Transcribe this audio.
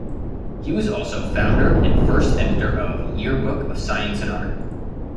He was also founder and first editor of "Year-Book of Science and Art".